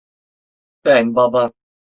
Ben baban.